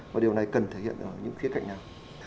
và điều này cần thể hiện ở những khía cạnh nào